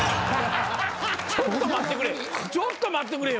ちょっと待ってくれちょっと待ってくれよ。